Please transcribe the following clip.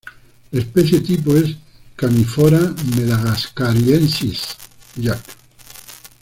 La especie tipo es: "Commiphora madagascariensis" Jacq.